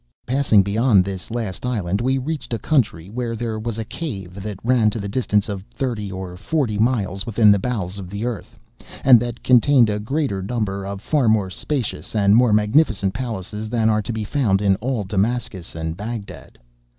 "'Passing beyond this last island, we reached a country where there was a cave that ran to the distance of thirty or forty miles within the bowels of the earth, and that contained a greater number of far more spacious and more magnificent palaces than are to be found in all Damascus and Bagdad.